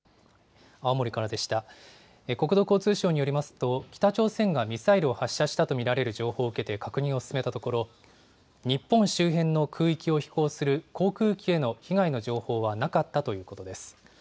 国土交通省によりますと、北朝鮮がミサイルを発射したと見られる情報を受けて、確認を進めたところ、日本周辺の空域を飛行する航空機への被害の情報はなかったということです。